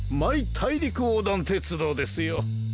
大陸横断鉄道ですよ。